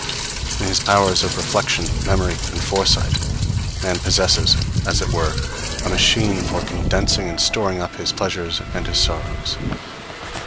In his powers of reflection, memory and foresight, man possesses, as it were, a machine for condensing and storing up his pleasures and his sorrows.